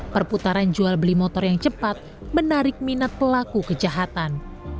perputaran jual beli motor yang cepat menarik minat pelaku kejahatan